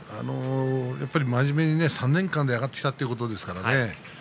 やっぱり真面目に３年間で上がってきたということですからね